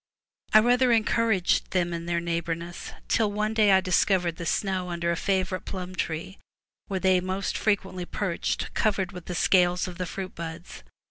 I rather encouraged them in their neighborhness, till one day I discovered the snow under a favorite plum tree where they most frequently perched covered with the scales of the fruit buds.